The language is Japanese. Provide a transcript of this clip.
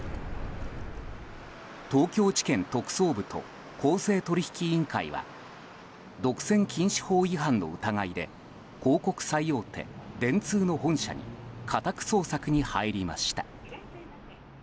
東京地検特捜部と公正取引委員会は独占禁止法違反の疑いで広告最大手・電通の本社に家宅捜索に入りました。